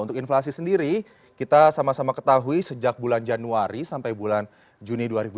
untuk inflasi sendiri kita sama sama ketahui sejak bulan januari sampai bulan juni dua ribu dua puluh